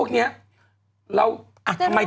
คุณหมอโดนกระช่าคุณหมอโดนกระช่า